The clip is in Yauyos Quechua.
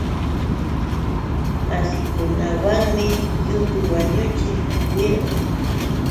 Massikunawanmi yutu wañuchiq rirqaa.